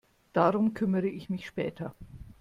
Darum kümmere ich mich später.